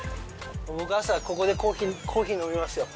僕、朝、ここでコーヒー飲みますよ。